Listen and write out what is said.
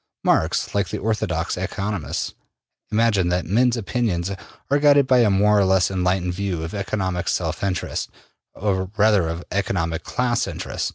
Marx, like the orthodox economists, imagined that men's opinions are guided by a more or less enlightened view of economic self interest, or rather of economic class interest.